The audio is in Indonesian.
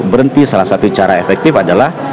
berhenti salah satu cara efektif adalah